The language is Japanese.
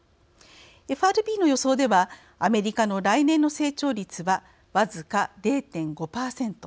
ＦＲＢの予想ではアメリカの来年の成長率は僅か０．５％。